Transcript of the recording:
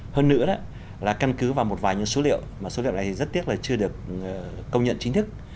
hơn nữa là căn cứ vào một vài những số liệu mà số liệu này rất tiếc là chưa được công nhận chính thức